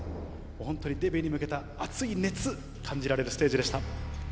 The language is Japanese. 本当にデビューに向けた熱い熱、感じられるステージでした。